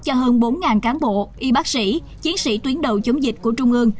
cho hơn bốn cán bộ y bác sĩ chiến sĩ tuyến đầu chống dịch của trung ương